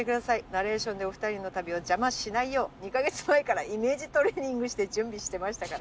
ナレーションでお２人の旅を邪魔しないよう２カ月前からイメージトレーニングして準備してましたから」